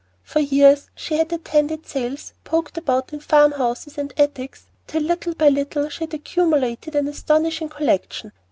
For years she had attended sales and poked about in farmhouses and attics, till little by little she had accumulated an astonishing collection.